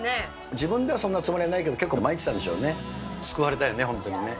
自分ではそんなつもりはないけど、結構まいってたんでしょうね、救われたよね、本当にね。